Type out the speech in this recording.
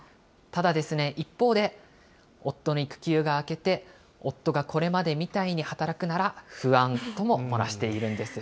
ただですね、一方で、夫の育休が明けて、夫がこれまでみたいに働くなら不安とも漏らしているんです。